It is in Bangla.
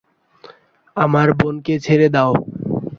আমার বোনকে ছেড়ে দাও!